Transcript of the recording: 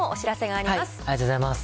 ありがとうございます。